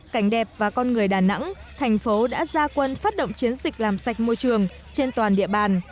cảnh đẹp và con người đà nẵng thành phố đã ra quân phát động chiến dịch làm sạch môi trường trên toàn địa bàn